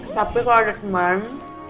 tapi kalau ada teman